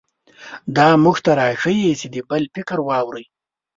دا موږ ته راښيي چې د بل فکر واورئ.